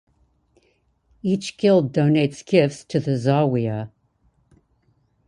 Each guild donates gifts to the zawiya.